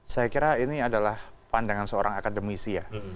saya kira ini adalah pandangan seorang akademisi ya